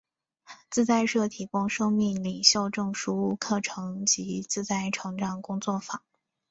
自在社提供生命领袖证书课程及自在成长工作坊。